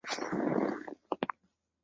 拉岑是德国下萨克森州的一个市镇。